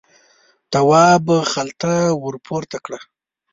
تواب خلته ور پورته کړه.